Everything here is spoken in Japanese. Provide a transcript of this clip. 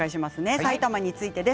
埼玉についてです。